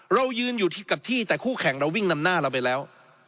เรายืนอยู่ที่กับที่แต่คู่แข่งเราวิ่งนำหน้าเราไปแล้ว